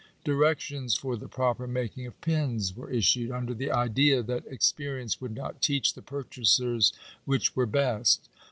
Directions for the proper making of pins were issued, under the idea that experience would not teach the purchasers which were best.